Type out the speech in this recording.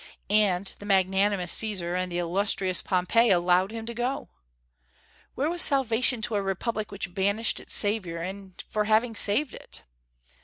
And the "magnanimous" Caesar and the "illustrious" Pompey allowed him to go! Where was salvation to a Republic which banished its savior, and for having saved it?